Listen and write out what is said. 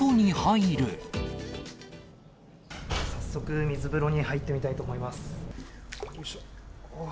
早速、水風呂に入ってみたいと思います。